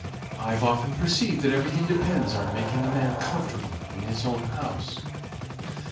I have often perceived that everything depends on making a man comfortable in his own house."